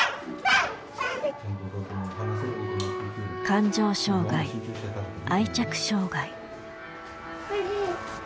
感情障害愛着障害。